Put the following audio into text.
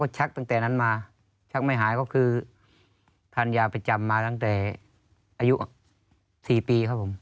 ชักตั้งแต่นั้นมาชักไม่หายก็คือทานยาประจำมาตั้งแต่อายุ๔ปีครับผม